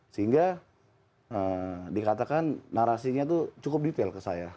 sehingga dikatakan narasinya itu cukup detail ke saya